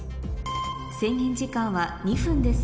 制限時間は２分です